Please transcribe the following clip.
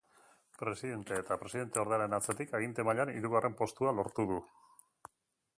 Presidente eta presidenteordearen atzetik, aginte mailan hirugarren postua lortu du.